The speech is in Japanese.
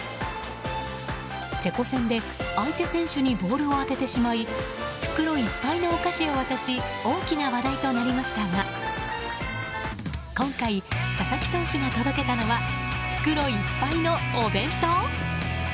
チェコ戦で相手選手にボールを当ててしまい袋いっぱいのお菓子を渡し大きな話題となりましたが今回、佐々木投手が届けたのは袋いっぱいのお弁当？